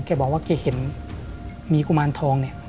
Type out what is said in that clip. แกบอกว่าแกเห็นมีกุมารทองเนี่ย